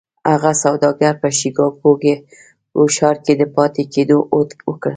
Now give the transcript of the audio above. هغه سوداګر په شيکاګو ښار کې د پاتې کېدو هوډ وکړ.